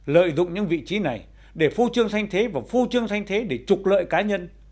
lợi dụng những vị trí này để phu trương thanh thế và phu trương thanh thế để trục lợi cá nhân